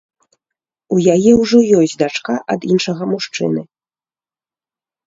У яе ўжо ёсць дачка ад іншага мужчыны.